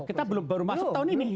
kita baru masuk tahun ini